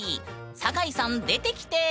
坂井さん出てきて！